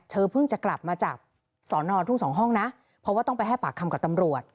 เธอเพิ่งจะกลับมาจากสอนอทุ่งสองห้องนะเพราะว่าต้องไปให้ปากคำกับตำรวจ